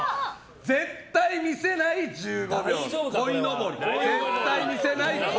絶対見せない１５秒、鯉のぼり。